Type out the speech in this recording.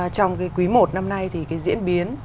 trong quý một năm nay thì diễn biến